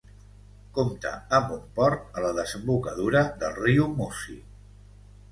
Compta amb un port a la desembocadura del riu Musi.